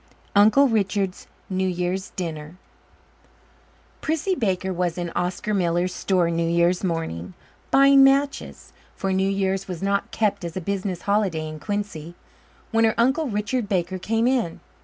Uncle Richard's New Year's Dinner Prissy Baker was in Oscar Miller's store New Year's morning, buying matches for New Year's was not kept as a business holiday in Quincy when her uncle, Richard Baker, came in.